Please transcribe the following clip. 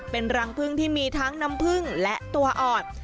เป็นรังพึ่งที่มีทั้งน้ำผึ้งและตัวอ่อน